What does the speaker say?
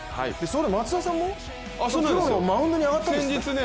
松田さんも、マウンドに上がったんですって？